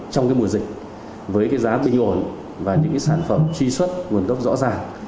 trong cái mùa dịch với cái giá bình ổn và những cái sản phẩm truy xuất nguồn gốc rõ ràng